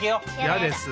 いやです。